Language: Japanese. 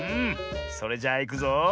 それじゃあいくぞ。